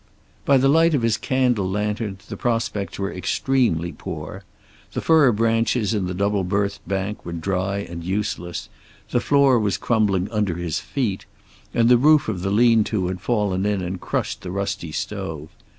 By the light of his candle lantern the prospects were extremely poor. The fir branches in the double berthed bunk were dry and useless, the floor was crumbling under his feet, and the roof of the lean to had fallen in and crushed the rusty stove.